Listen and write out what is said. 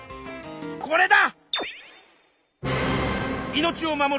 これだ！